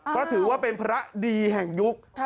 เพราะถือว่าเป็นพระดีแห่งยุค